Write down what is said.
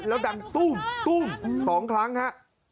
แล้วดังตุ้มตุ้ม๒ครั้งฮะ